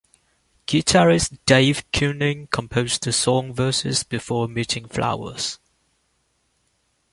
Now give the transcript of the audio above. Guitarist Dave Keuning composed the song's verses before meeting Flowers.